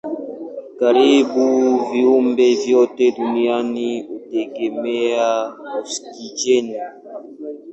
Karibu viumbe vyote duniani hutegemea oksijeni.